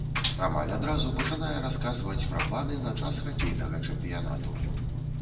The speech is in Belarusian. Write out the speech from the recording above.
Амаль адразу пачынае расказваць пра планы на час хакейнага чэмпіянату.